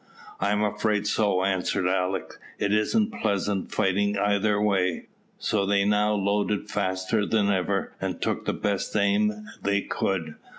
"I am afraid so," answered Alick; "it isn't pleasant fighting either way." So they now loaded faster than ever, and took the best aim they could.